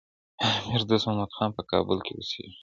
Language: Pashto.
امیر دوست محمد خان په کابل کي اوسېږي.